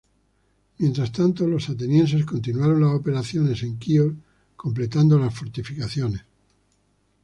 Mientras tanto los atenienses continuaron sus operaciones en Quíos, completado las fortificaciones.